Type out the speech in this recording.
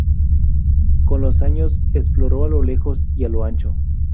Con los años, exploró a lo lejos y a lo ancho.